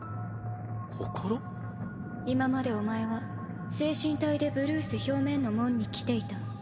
今までお前は精神体でブルース表面の門に来ていた。